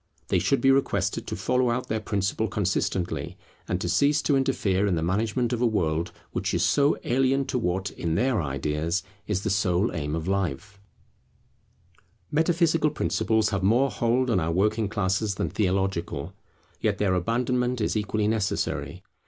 They should be requested to follow out their principle consistently, and to cease to interfere in the management of a world which is so alien to what, in their ideas, is the sole aim of life. [From metaphysical doctrines] Metaphysical principles have more hold on our working classes than theological; yet their abandonment is equally necessary.